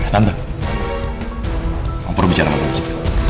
tante aku perlu bicara sama tante